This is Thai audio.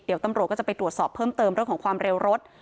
เดี๋ยวตำรวจก็จะไปตรวจสอบเพิ่มเติมเรื่องของความเร็วรถ